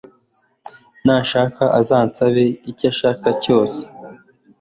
nashaka azansabe icyashaka cyose